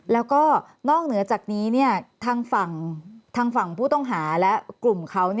แล้วก็นอกเหนือจากนี้ทางฝั่งผู้ต้องหาและกลุ่มเขา